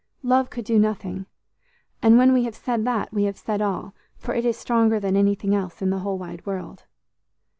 Love could do nothing; and when we have said that we have said all, for it is stronger than anything else in the whole wide world.